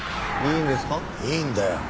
いいんだよ。